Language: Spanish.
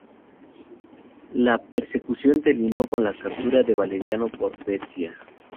La persecución terminó con la captura de Valeriano por Persia.